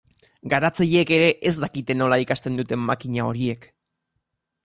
Garatzaileek ere ez dakite nola ikasten duten makina horiek.